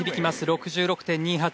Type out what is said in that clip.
６６．２８。